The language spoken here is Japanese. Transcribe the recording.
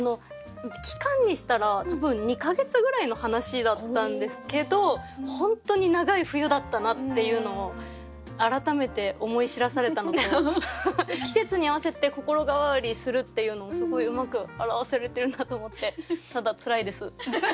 期間にしたら多分２か月ぐらいの話だったんですけど本当に永い冬だったなっていうのを改めて思い知らされたのと季節に合わせて心変わりするっていうのをすごいうまく表されてるなと思ってただツラいです。